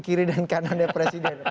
kiri dan kanannya presiden